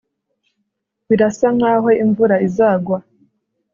birasa nkaho imvura izagwa